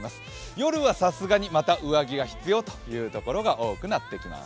夜はさすがにまた上着が必要という気温になってきます。